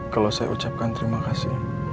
kalau saya ucapkan terima kasih